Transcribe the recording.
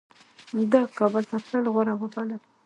ده کابل ته تلل غوره وبلل.